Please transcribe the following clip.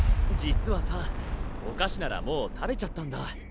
実はさお菓子ならもう食べちゃったんだ。